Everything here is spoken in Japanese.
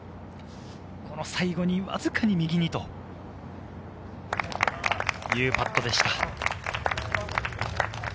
この最後にわずかに右に、というパットでした。